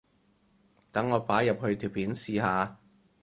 等我擺入去條片試下